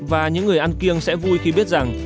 và những người ăn kiêng sẽ vui khi biết rằng